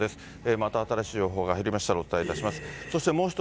また新しい情報が入りましたら、お伝えいたします。